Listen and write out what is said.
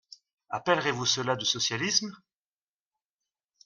Appellerez-vous cela du socialisme ?